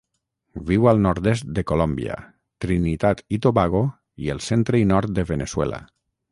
Viu al nord-est de Colòmbia, Trinitat i Tobago i el centre i nord de Veneçuela.